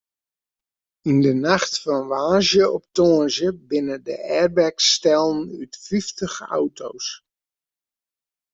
Yn de nacht fan woansdei op tongersdei binne de airbags stellen út fyftich auto's.